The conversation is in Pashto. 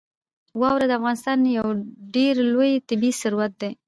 واوره د افغانستان یو ډېر لوی طبعي ثروت دی.